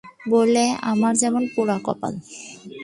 বলে, আমার যেমন পোড়া কপাল!